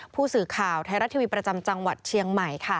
ผู้สื่อข่าวไทยรัฐทีวีประจำจังหวัดเชียงใหม่ค่ะ